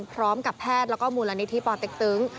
พร้อมกับแพทย์แล้วก็มูลนิธิปอเต็กตึง